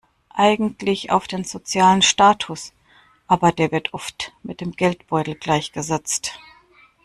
Eigentlich auf den sozialen Status, aber der wird oft mit dem Geldbeutel gleichgesetzt.